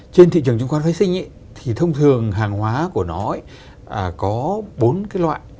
trên thị trường chứng khoán vaccine thì thông thường hàng hóa của nó có bốn loại